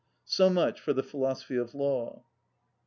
So much for the philosophy of law.